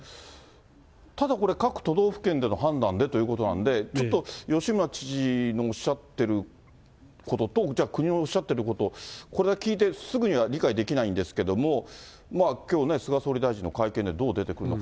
ただこれ、各都道府県での判断でということなんで、ちょっと吉村知事のおっしゃってることと、国のおっしゃってること、これは聞いて、すぐには理解できないんですけども、きょうね、菅総理大臣の会見でどう出てくるのか。